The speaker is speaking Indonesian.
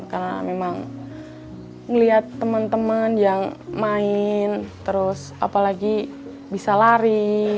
karena memang melihat teman teman yang main terus apalagi bisa lari